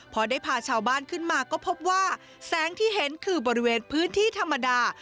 พอได้พาชาวบ้านขึ้นมาก็พบว่าแสงที่เห็นคือบริเวณพื้นที่ธรรมดา